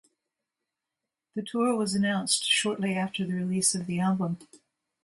The tour was announced shortly after the release of the album.